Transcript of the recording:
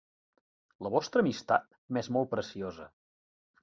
La vostra amistat m'és molt preciosa.